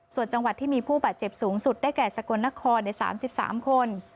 ส่วนจังหวัดที่มีผู้บาดเจ็บสูงสุดได้แก่สกลนครใน๓๓คน